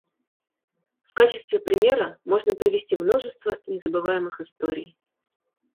В качестве примера можно привести множество незабываемых историй.